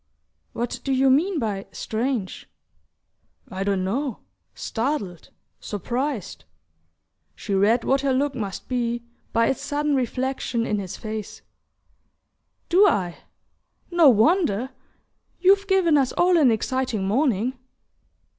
"What do you mean by strange?" "I don't know: startled surprised." She read what her look must be by its sudden reflection in his face. "Do I? No wonder! You've given us all an exciting morning."